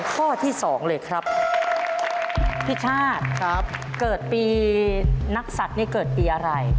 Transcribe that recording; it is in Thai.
พี่ชาติเกิดปีนักศัตริย์นี่เกิดปีอะไร